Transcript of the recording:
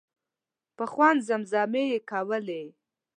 په خوند زمزمې یې کولې.